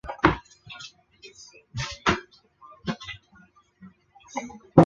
滇木姜子为樟科木姜子属下的一个种。